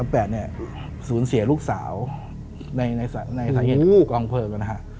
เป๊ย์เนี่ยศูนย์เสียลูกสาวในสาเหตุกองเฟิร์มนะฮะ